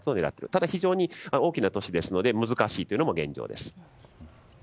ただ非常に大きな都市なので難しいというのも現状です。